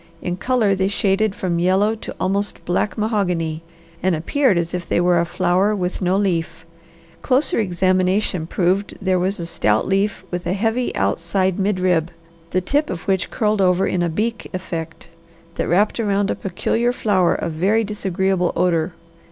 In colour they shaded from yellow to almost black mahogany, and appeared as if they were a flower with no leaf. Closer examination proved there was a stout leaf with a heavy outside mid rib, the tip of which curled over in a beak effect, that wrapped around a peculiar flower of very disagreeable odour.